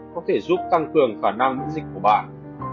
có thể giúp tăng cường khả năng miễn dịch của bạn